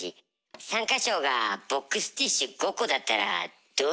参加賞がボックスティッシュ５個だったらどうよ？